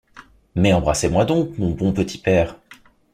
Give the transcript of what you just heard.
Mais embrassez-moi donc, mon bon petit père!